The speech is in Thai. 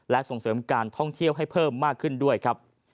และส่งเสริมการท่องเที่ยวให้เพิ่มมากขึ้นด้วยครับ